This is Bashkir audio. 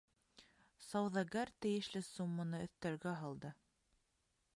Сауҙагәр тейешле сумманы өҫтәлгә һалды.